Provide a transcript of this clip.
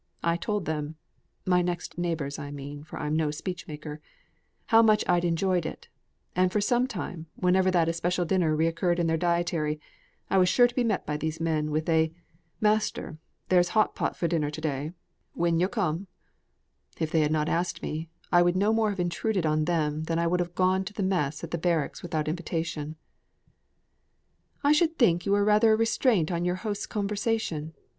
I told them (my next neighbours I mean, for I'm no speech maker) how much I enjoyed it; and for some time, whenever that especial dinner recurred in their dietary, I was sure to be met by these men, with a 'Master, there's hot pot for dinner to day, win yo' come in?' If they had not asked me, I would no more have intruded on them than I'd have gone to the mess at the barracks without invitation." "I should think you were rather a restraint on your hosts' conversation.